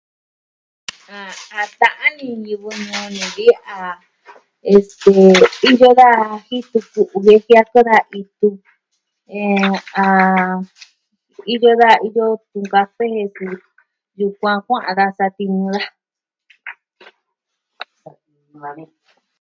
A ta'an ini ni ñivɨ ñuu o ni vi a este... iyo da jitu ku'u jiakɨn da itu eh.. ah... iyo da iyo tunkafe yukuan va da satiñu daja.